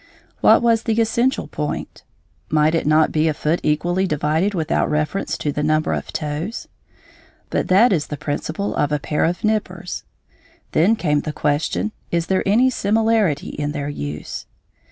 What was the essential point? Might it not be a foot equally divided without reference to the number of toes? But that is the principle of a pair of nippers. Then came the question, is there any similarity in their use?